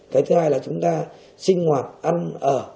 cái thứ hai là chúng ta sinh hoạt ăn ở